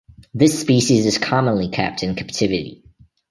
This species is commonly kept in captivity.